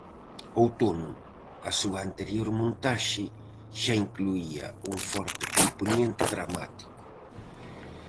Outono, a súa anterior montaxe, xa incluía un forte compoñente dramático.